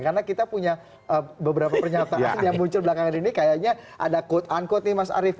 karena kita punya beberapa pernyataan yang muncul belakangan ini kayaknya ada quote unquote nih mas arief